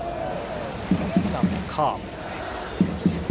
オスナもカーブ。